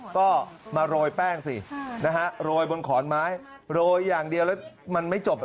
ก็มาโรยแป้งสินะฮะโรยบนขอนไม้โรยอย่างเดียวแล้วมันไม่จบ